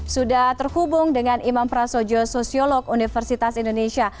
sudah terhubung dengan imam prasojo sosiolog universitas indonesia